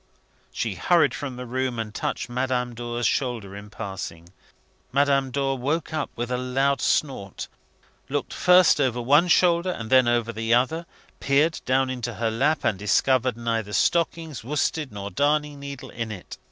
She hurried from the room, and touched Madame Dor's shoulder in passing. Madame Dor woke up with a loud snort, looked first over one shoulder and then over the other, peered down into her lap, and discovered neither stockings, worsted, nor darning needle in it.